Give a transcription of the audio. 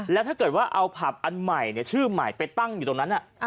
แล้วถ้าเกิดว่าเอาผับอันใหม่ชื่อใหม่ไปตั้งอยู่ตรงนั้น